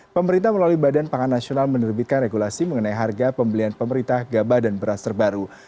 pemerintah melalui badan pangan nasional menerbitkan regulasi mengenai harga pembelian pemerintah gabah dan beras terbaru